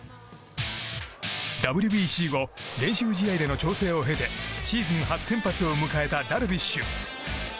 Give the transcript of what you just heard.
ＷＢＣ後練習試合での調整を経てシーズン初先発を迎えたダルビッシュ。